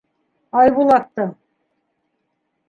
Айбулаттың: